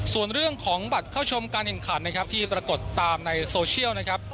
ส่วนเรื่องของบัตรเข้าชมการแข่งขันนะครับที่ปรากฏตามในโซเชียลนะครับ